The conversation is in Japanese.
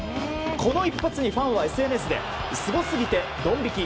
この一発にファンはＳＮＳですごすぎてドン引き。